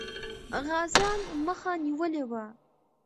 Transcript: غازيان مخه نیولې وه.